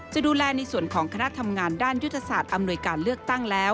จะดูแลในส่วนของคณะทำงานด้านยุทธศาสตร์อำนวยการเลือกตั้งแล้ว